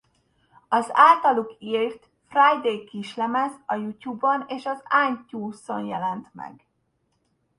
Az általuk írt Friday kislemez a YouTube-on és az iTunes-on jelent meg.